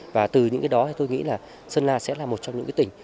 và từ những cái đó tôi nghĩ sơn la sẽ là một trong những tỉnh